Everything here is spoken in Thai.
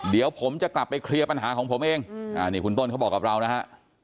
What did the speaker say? เดี๋ยวผมจะกลับไปเคลียร์ปัญหาของผมเองนี่คุณต้นเขาบอกกับเรานะฮะ